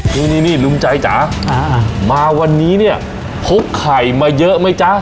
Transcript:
นี่นี่นี่ลุงใจจ๋าอ่ามาวันนี้เนี้ยพบไข่มาเยอะไหมจ๊ะ